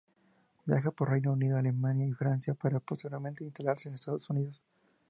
Viaja por Reino Unido, Alemania y Francia, para posteriormente instalarse en Estados Unidos.